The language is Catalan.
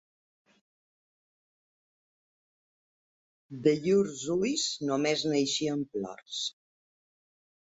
De llurs ulls, només n’eixien plors.